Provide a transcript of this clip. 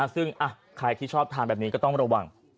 ซึ่งใครที่ชอบทานแบบนี้ก็ต้องระวัง